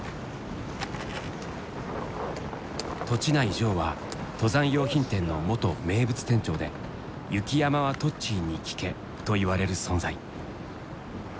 栃内譲は登山用品店の元名物店長で「雪山はトッチーに聞け」と言われる存在。